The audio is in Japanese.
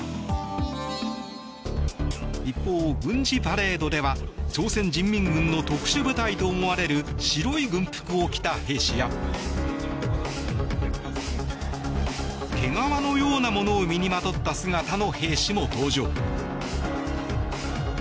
一方、軍事パレードでは朝鮮人民軍の特殊部隊と思われる白い軍服を着た兵士や毛皮のようなものを身にまとった姿の兵士も登場。